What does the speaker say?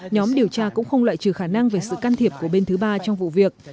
nhóm điều tra cũng không loại trừ khả năng về sự can thiệp của bên thứ ba trong vụ việc